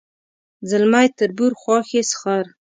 ځلمی تربور خواښې سخر